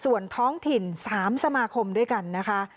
ส่วนท้องถิ่น๓สมาคมด้วยกันนะคะ